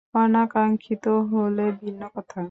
অনাকাঙ্ক্ষিত হলে ভিন্ন কথা।